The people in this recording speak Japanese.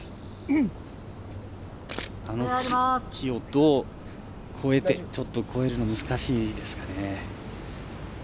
あの木をどう越えてちょっと越えるの難しいですかね。